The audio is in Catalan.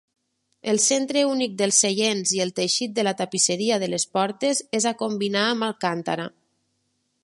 El centre únic dels seients i el teixit de la tapisseria de les portes es a combinar amb Alcantara.